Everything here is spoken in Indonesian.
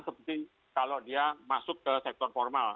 seperti kalau dia masuk ke sektor formal